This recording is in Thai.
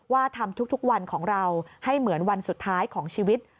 ว่าทำทุกวันของเราให้เหมือนวันสุดท้ายของชีวิต